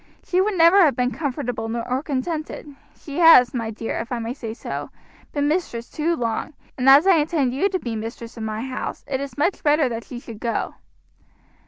She would never have been comfortable or contented. She has, my dear if I may say so, been mistress too long, and as I intend you to be mistress of my house, it is much better that she should go."